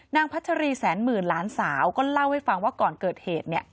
พัชรีแสนหมื่นหลานสาวก็เล่าให้ฟังว่าก่อนเกิดเหตุ